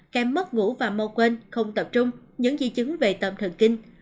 kém mất ngủ và mơ quên không tập trung những di chứng về tâm thần kinh